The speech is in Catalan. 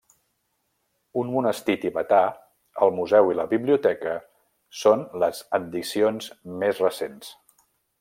Un monestir tibetà, el museu i la biblioteca són les addicions més recents.